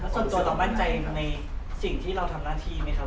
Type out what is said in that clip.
ส่วนตัวเรามั่นใจในสิ่งที่เราทำหน้าที่ไหมครับ